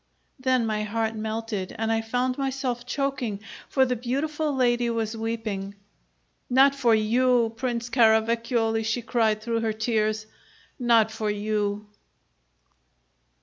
Then my heart melted and I found myself choking, for the beautiful lady was weeping. "Not for you, Prince Caravacioli," she cried, through her tears, "Not for you!"